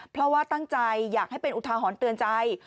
เพราะว่าตั้งใจอยากให้เป็นอุทาหรณ์เตือนใจ